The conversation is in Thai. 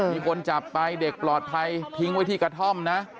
มีคนจับไปเด็กปลอดภัยทิ้งไว้ที่กระท่อมนะ